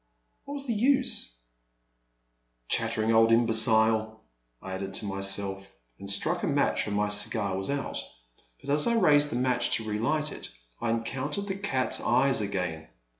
What was the use ?'* Chattering old imbecile,*' I added to my self, and struck a match, for my cigar was out; but as I raised the match to relight it, I encotm tered the cat's eyes again.